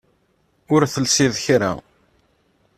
Ur telsiḍ kra.